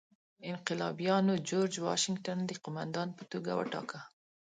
انقلابیانو جورج واشنګټن د قوماندان په توګه وټاکه.